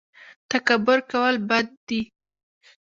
تکبر کول بد دي